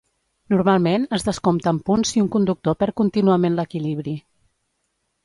Normalment es descompten punts si un conductor perd contínuament l'equilibri.